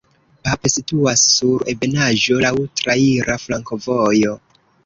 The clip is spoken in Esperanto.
Pap situas sur ebenaĵo, laŭ traira flankovojo.